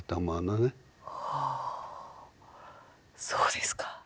はあそうですか。